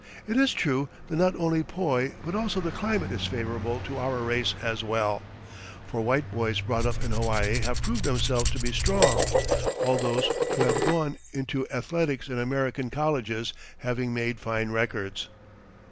It is true that not only poi but also the climate is favourable to our race as well, for white boys brought up in Hawaii have proved themselves to be strong, all those who have gone into athletics in American colleges having made fine records.